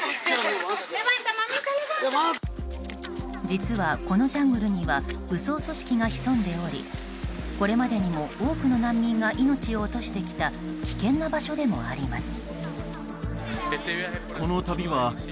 実は、このジャングルには武装組織が潜んでおりこれまでにも多くの難民が命を落としてきた危険な場所でもあります。